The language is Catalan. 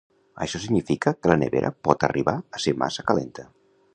Això significa que la nevera pot arribar a ser massa calenta.